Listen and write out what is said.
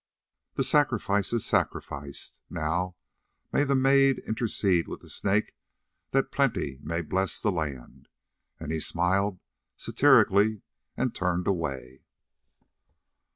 The sacrifice is sacrificed: now may the Maid intercede with the Snake that plenty may bless the land." And he smiled satirically and turned away.